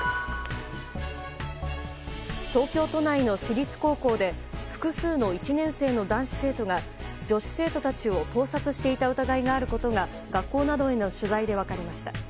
東京都内の私立高校で複数の１年生の男子生徒が女子生徒たちを盗撮していた疑いがあることが学校などへの取材で分かりました。